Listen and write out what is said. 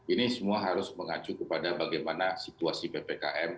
ini semua harus mengacu kepada bagaimana situasi ppkm